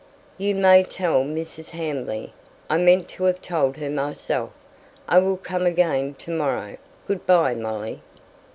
You may tell Mrs. Hamley I meant to have told her myself. I will come again to morrow. Good by, Molly."